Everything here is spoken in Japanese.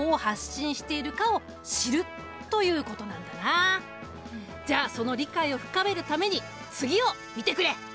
その第一歩がじゃあその理解を深めるために次を見てくれ！